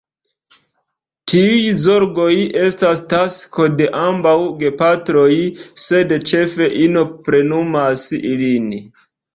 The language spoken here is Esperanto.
Tiuj zorgoj estas tasko de ambaŭ gepatroj, sed ĉefe ino plenumas ilin.